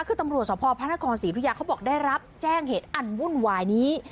คือตำรวจสภพระนครศรีอุทยาเขาบอกได้รับแจ้งเหตุอันวุ่นวายนี้